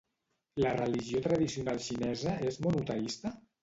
La religió tradicional xinesa és monoteista?